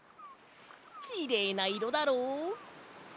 きれいないろだろう？